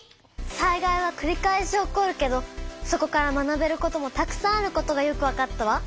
災害はくり返し起こるけどそこから学べることもたくさんあることがよくわかったわ！